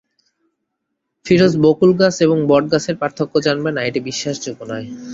ফিরোজ বকুল গাছ এবং বট গাছের পার্থক্য জানবে না, এটা বিশ্বাসযোগ্য নয়।